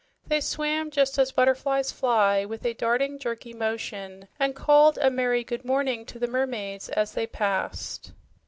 They swam just as butterflies fly, with a darting, jerky motion, and called a merry "Good morning!" to the mermaids as they passed.